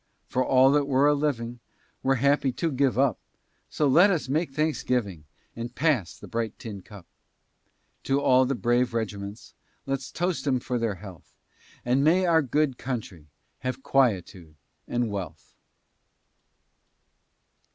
For all that were a living, Were happy to give up; So let us make thanksgiving, And pass the bright tin cup. To all the brave regiments, Let's toast 'em for their health, And may our good country Have quietude and wealth.